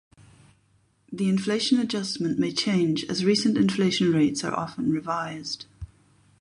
The inflation adjustment may change as recent inflation rates are often revised.